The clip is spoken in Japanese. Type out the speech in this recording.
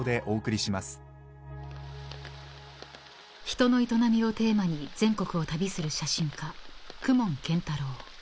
［人の営みをテーマに全国を旅する写真家］